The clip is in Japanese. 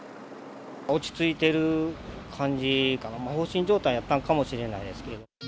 落ち着いている感じかな、放心状態だったのかもしれないですけど。